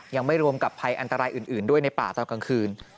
ยังไม่รวมกับภัยอันตรายอื่นด้วยในป่าตอนกลางคืน